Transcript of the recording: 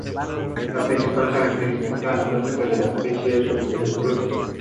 Se encuentra al sur de la capital municipal, pegado a la misma.